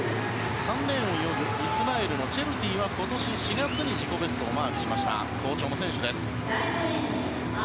３レーンを泳ぐイスラエルのチェルティは今年４月に自己ベストをマークした好調な選手です。